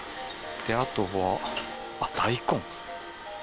あとは大根。